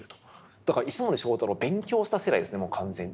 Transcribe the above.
だから石森章太郎を勉強した世代ですねもう完全に。